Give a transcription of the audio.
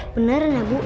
beneran ya bu